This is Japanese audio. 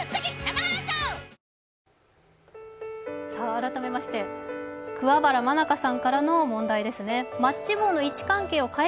改めまして桑原愛佳さんからの問題ですね。